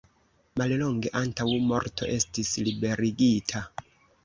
Mallonge antaŭ morto estis liberigita.